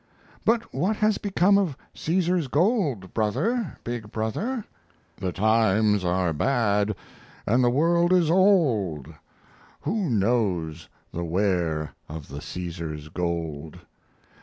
"But what has become of Caesar's gold, Brother, big brother?" "The times are bad and the world is old Who knows the where of the Caesar's gold?